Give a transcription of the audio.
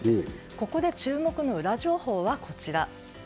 ここで注目のウラ情報はこちら。